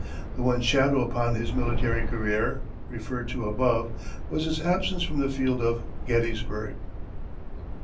The one shadow upon his military career, referred to above, was his absence from the field of Gettysburg.